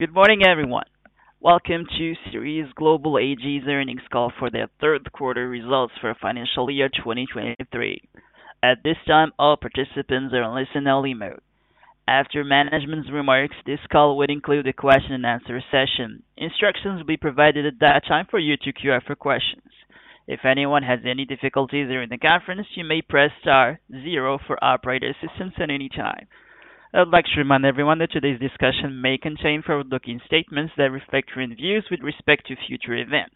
Good morning, everyone. Welcome to Ceres Global AG's earnings call for their third quarter results for financial year 2023. At this time, all participants are in listen-only mode. After management's remarks, this call will include a question-and-answer session. Instructions will be provided at that time for you to queue up for questions. If anyone has any difficulties during the conference, you may press star 0 for operator assistance at any time. I would like to remind everyone that today's discussion may contain forward-looking statements that reflect current views with respect to future events.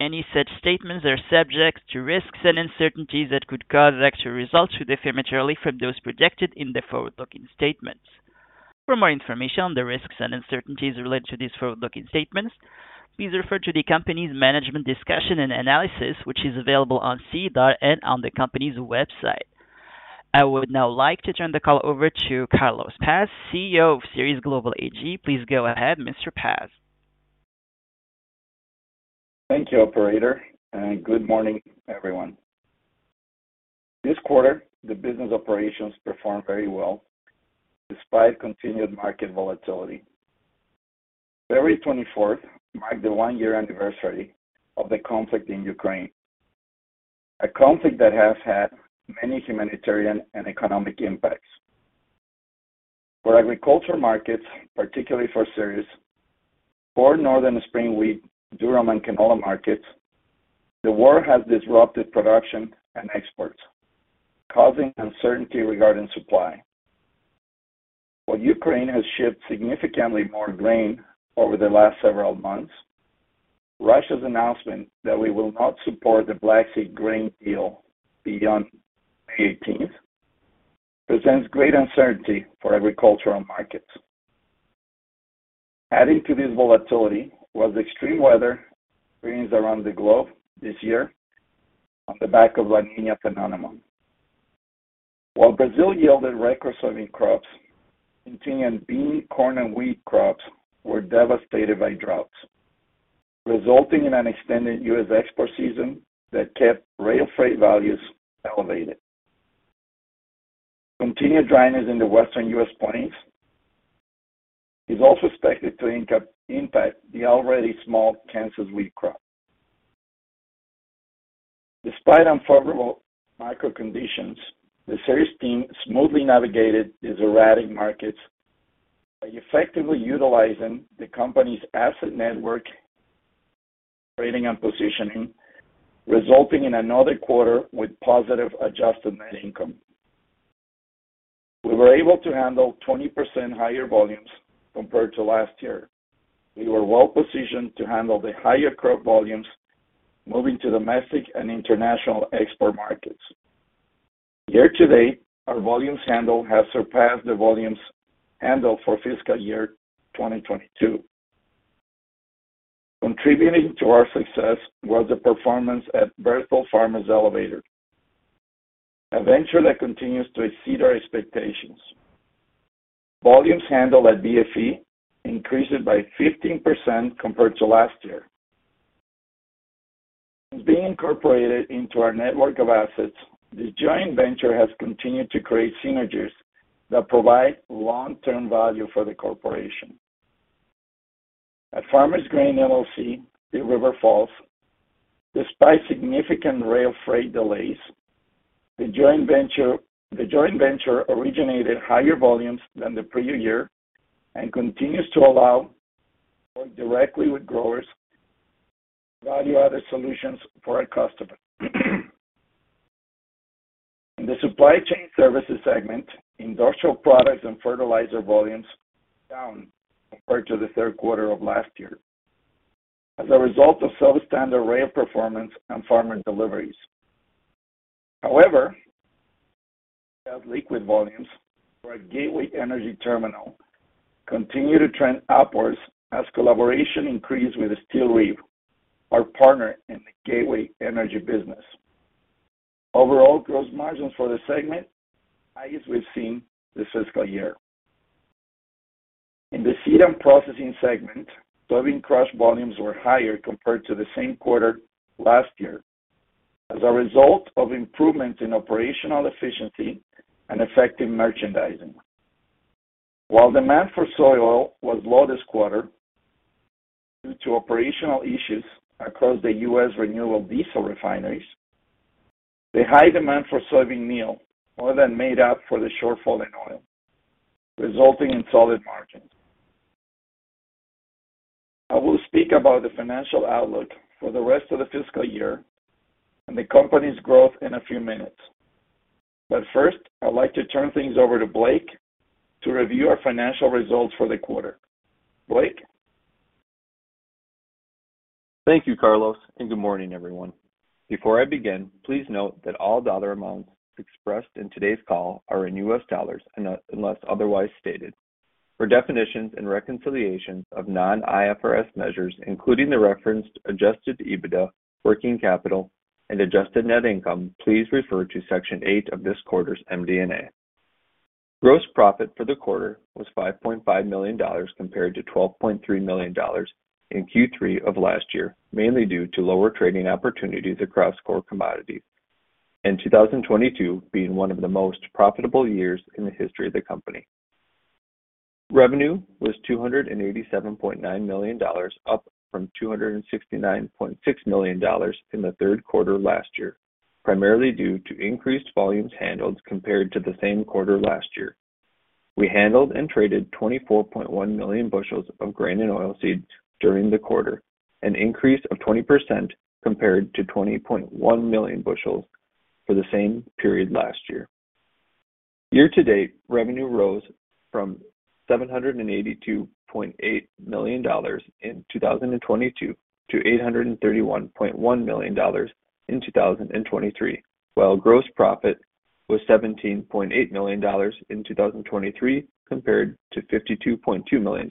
Any such statements are subject to risks and uncertainties that could cause actual results to differ materially from those projected in the forward-looking statements. For more information on the risks and uncertainties related to these forward-looking statements, please refer to the company's management discussion and analysis, which is available on SEDAR and on the company's website. I would now like to turn the call over to Carlos Paz, CEO of Ceres Global Ag. Please go ahead, Mr. Paz. Thank you, operator, good morning, everyone. This quarter, the business operations performed very well despite continued market volatility. February 24th marked the 1-year anniversary of the conflict in Ukraine, a conflict that has had many humanitarian and economic impacts. For agriculture markets, particularly for Ceres, for northern spring wheat, durum, and canola markets, the war has disrupted production and exports, causing uncertainty regarding supply. While Ukraine has shipped significantly more grain over the last several months, Russia's announcement that we will not support the Black Sea Grain Initiative beyond May 18th presents great uncertainty for agricultural markets. Adding to this volatility was extreme weather experienced around the globe this year on the back of La Niña phenomenon. While Brazil yielded record soybean crops, continuing bean, corn, and wheat crops were devastated by droughts, resulting in an extended U.S. export season that kept rail freight values elevated. Continued dryness in the western US plains is also expected to impact the already small Kansas wheat crop. Despite unfavorable micro conditions, the Ceres team smoothly navigated these erratic markets by effectively utilizing the company's asset network, trading, and positioning, resulting in another quarter with positive adjusted net income. We were able to handle 20% higher volumes compared to last year. We were well-positioned to handle the higher crop volumes moving to domestic and international export markets. Year to date, our volumes handled has surpassed the volumes handled for fiscal year 2022. Contributing to our success was the performance at Berthold Farmers Elevator, a venture that continues to exceed our expectations. Volumes handled at BFE increased by 15% compared to last year. Since being incorporated into our network of assets, the joint venture has continued to create synergies that provide long-term value for the corporation. At Farmers Grain LLC, at River Falls, despite significant rail freight delays, the joint venture originated higher volumes than the previous year and continues to allow work directly with growers value other solutions for our customers. In the supply chain services segment, industrial products and fertilizer volumes down compared to the third quarter of last year as a result of substandard rail performance on farmer deliveries. We've had liquid volumes for our Gateway Energy Terminal continue to trend upwards as collaboration increased with Steel Reef, our partner in the Gateway Energy business. Overall gross margins for the segment, highest we've seen this fiscal year. In the seed and processing segment, soybean crush volumes were higher compared to the same quarter last year as a result of improvements in operational efficiency and effective merchandising. While demand for soy oil was low this quarter due to operational issues across the U.S. renewable diesel refineries, the high demand for soybean meal more than made up for the shortfall in oil, resulting in solid margins. I will speak about the financial outlook for the rest of the fiscal year and the company's growth in a few minutes. First, I'd like to turn things over to Blake to review our financial results for the quarter. Blake. Thank you, Carlos, and good morning, everyone. Before I begin, please note that all dollar amounts expressed in today's call are in US dollars unless otherwise stated. For definitions and reconciliations of non-IFRS measures, including the referenced adjusted EBITDA, working capital, and adjusted net income, please refer to section eight of this quarter's MD&A. Gross profit for the quarter was $5.5 million compared to $12.3 million in Q3 of last year, mainly due to lower trading opportunities across core commodities. 2022 being one of the most profitable years in the history of the company. Revenue was $287.9 million, up from $269.6 million in the third quarter of last year, primarily due to increased volumes handled compared to the same quarter last year. We handled and traded 24.1 million bushels of grain and oilseeds during the quarter, an increase of 20% compared to 20.1 million bushels for the same period last year. Year to date, revenue rose from $782.8 million in 2022 to $831.1 million in 2023, while gross profit was $17.8 million in 2023 compared to $52.2 million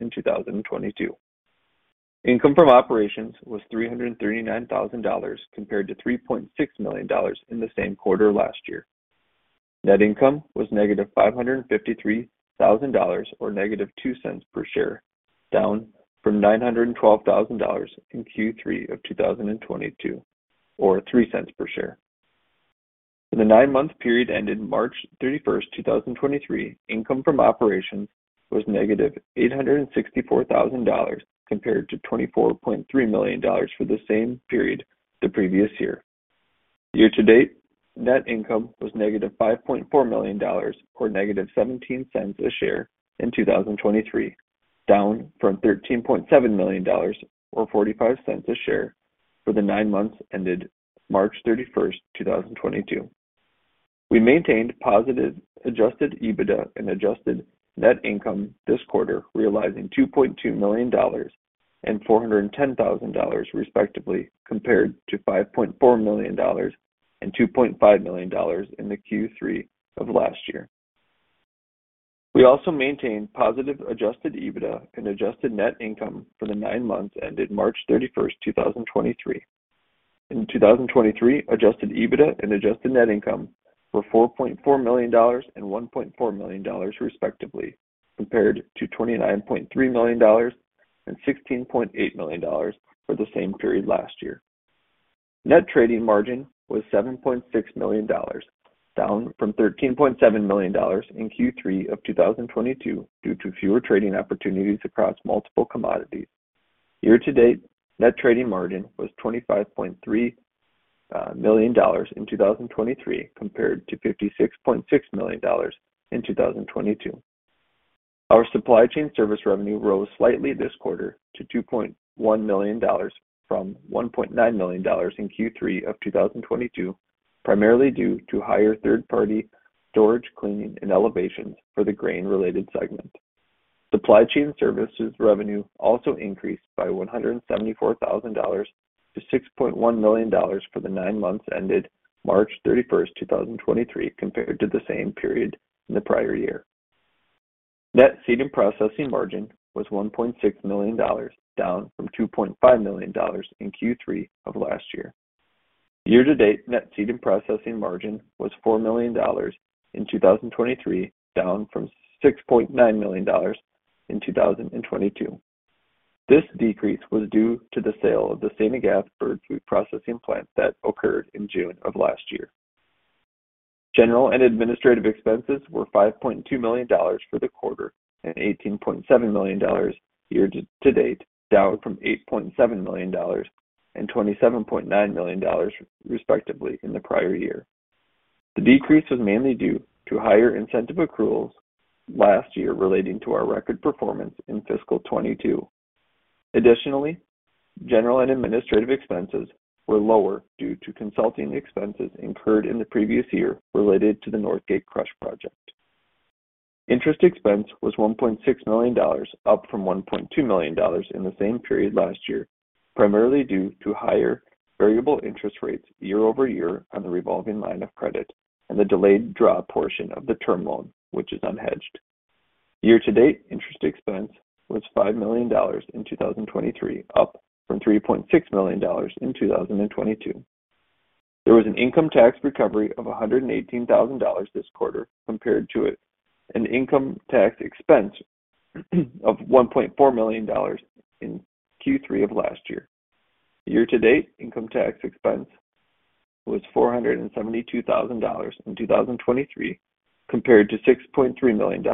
in 2022. Income from operations was $339,000 compared to $3.6 million in the same quarter last year. Net income was negative $553,000, or negative $0.02 per share, down from $912,000 in Q3 of 2022, or $0.03 per share. In the nine-month period ended March 31, 2023, income from operations was negative $864,000 compared to $24.3 million for the same period the previous year. Year to date, net income was negative $5.4 million, or negative $0.17 a share in 2023, down from $13.7 million, or $0.45 a share for the nine months ended March 31, 2022. We maintained positive adjusted EBITDA and adjusted net income this quarter, realizing $2.2 million and $410,000, respectively, compared to $5.4 million and $2.5 million in the Q3 of last year. We also maintained positive adjusted EBITDA and adjusted net income for the 9 months ended March 31, 2023. In 2023, adjusted EBITDA and adjusted net income were $4.4 million and $1.4 million, respectively, compared to $29.3 million and $16.8 million for the same period last year. Net trading margin was $7.6 million, down from $13.7 million in Q3 of 2022 due to fewer trading opportunities across multiple commodities. Year to date, net trading margin was $25.3 million in 2023 compared to $56.6 million in 2022. Our supply chain service revenue rose slightly this quarter to $2.1 million from $1.9 million in Q3 of 2022, primarily due to higher third-party storage, cleaning, and elevations for the grain-related segment. Supply chain services revenue also increased by $174,000 to $6.1 million for the nine months ended March 31st, 2023, compared to the same period in the prior year. Net seed and processing margin was $1.6 million, down from $2.5 million in Q3 of last year. Year to date, net seed and processing margin was $4 million in 2023, down from $6.9 million in 2022. This decrease was due to the sale of the St. Gaspard food processing plant that occurred in June of last year. General and administrative expenses were $5.2 million for the quarter and $18.7 million year to date, down from $8.7 million and $27.9 million, respectively, in the prior year. The decrease was mainly due to higher incentive accruals last year relating to our record performance in fiscal 2022. Additionally, general and administrative expenses were lower due to consulting expenses incurred in the previous year related to the Northgate Crush project. Interest expense was $1.6 million, up from $1.2 million in the same period last year, primarily due to higher variable interest rates year-over-year on the revolving line of credit and the delayed draw portion of the term loan, which is unhedged. Year to date, interest expense was $5 million in 2023, up from $3.6 million in 2022. There was an income tax recovery of $118,000 this quarter compared to an income tax expense of $1.4 million in Q3 of last year. Year to date, income tax expense was $472,000 in 2023 compared to $6.3 million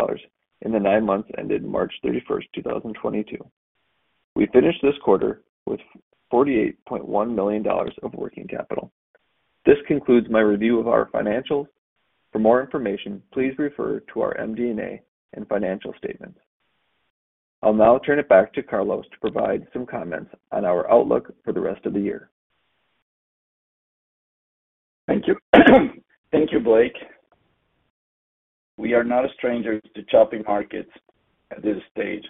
in the nine months ended March 31st, 2022. We finished this quarter with $48.1 million of working capital. This concludes my review of our financials. For more information, please refer to our MD&A and financial statements. I'll now turn it back to Carlos to provide some comments on our outlook for the rest of the year. Thank you. Thank you, Blake. We are not a stranger to chopping markets at this stage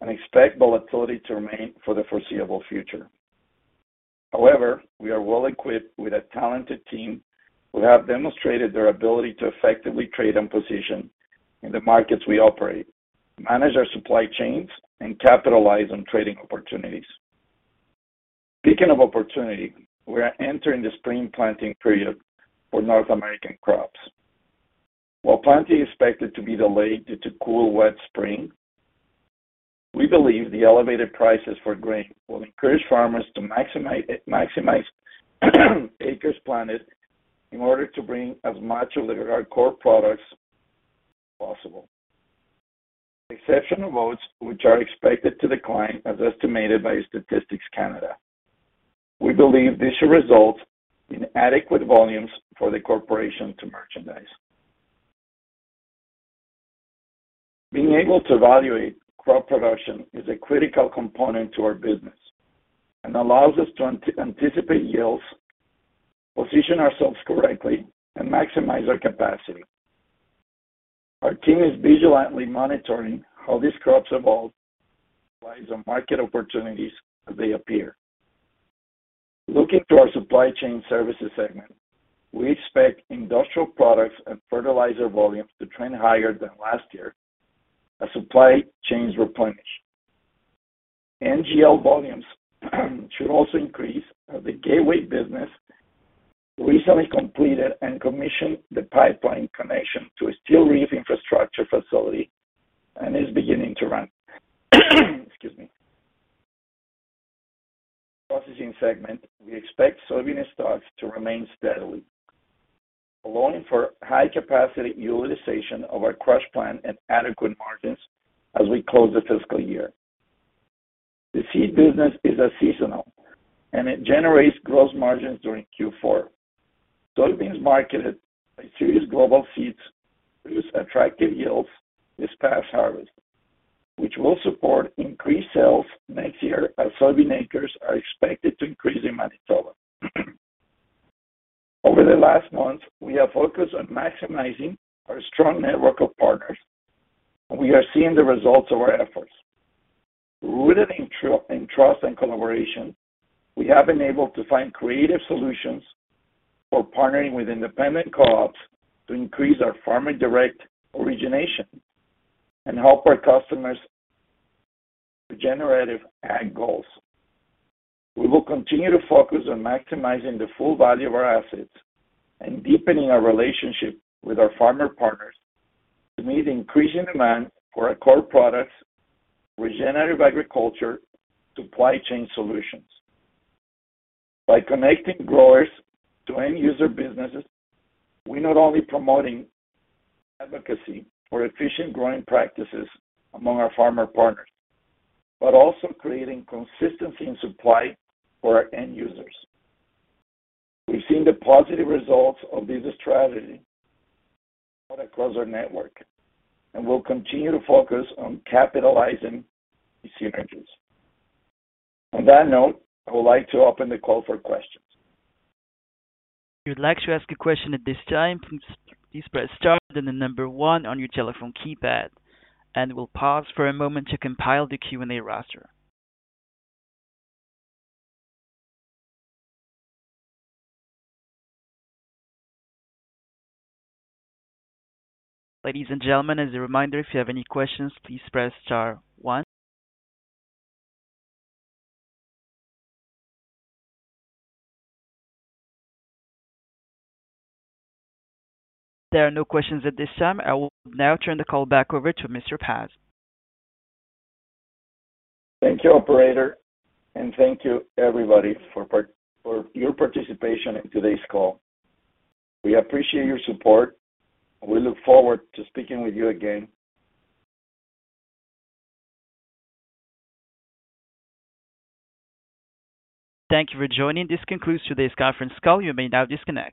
and expect volatility to remain for the foreseeable future. However, we are well equipped with a talented team who have demonstrated their ability to effectively trade and position in the markets we operate, manage our supply chains, and capitalize on trading opportunities. Speaking of opportunity, we are entering the spring planting period for North American crops. While planting is expected to be delayed due to cool, wet spring, we believe the elevated prices for grain will encourage farmers to maximize acres planted in order to bring as much of our core products possible. Exceptional oats, which are expected to decline as estimated by Statistics Canada. We believe this should result in adequate volumes for the corporation to merchandise. Being able to evaluate crop production is a critical component to our business and allows us to anticipate yields, position ourselves correctly, and maximize our capacity. Our team is vigilantly monitoring how these crops evolve and market opportunities as they appear. Looking to our supply chain services segment, we expect industrial products and fertilizer volumes to trend higher than last year as supply chains replenish. NGL volumes should also increase as the Gateway business recently completed and commissioned the pipeline connection to a Steel Reef infrastructure facility and is beginning to run. Excuse me. Processing segment, we expect soybean stocks to remain steadily, allowing for high-capacity utilization of our crush plant and adequate margins as we close the fiscal year. The seed business is a seasonal, and it generates gross margins during Q4. Soybeans marketed through Global Seeds produced attractive yields this past harvest, which will support increased sales next year as soybean acres are expected to increase in Manitoba. Over the last month, we have focused on maximizing our strong network of partners. We are seeing the results of our efforts. Rooted in trust and collaboration, we have been able to find creative solutions for partnering with independent co-ops to increase our farmer direct origination and help our customers regenerative agriculture goals. We will continue to focus on maximizing the full value of our assets and deepening our relationship with our farmer partners to meet increasing demand for our core products, regenerative agriculture supply chain solutions. Connecting growers to end user businesses, we're not only promoting advocacy for efficient growing practices among our farmer partners, but also creating consistency in supply for our end users. We've seen the positive results of this strategy across our network. We'll continue to focus on capitalizing these synergies. On that note, I would like to open the call for questions. If you'd like to ask a question at this time, please press star then the 1 on your telephone keypad, and we'll pause for a moment to compile the Q&A roster. Ladies and gentlemen, as a reminder, if you have any questions, please press star 1. There are no questions at this time. I will now turn the call back over to Mr. Paz. Thank you, operator, and thank you everybody for your participation in today's call. We appreciate your support. We look forward to speaking with you again. Thank you for joining. This concludes today's conference call. You may now disconnect.